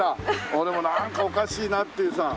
俺もなんかおかしいなっていうさ。